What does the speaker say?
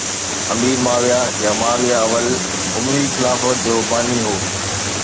امير معاويه يا معاويه اول اموي خلافت جو باني هو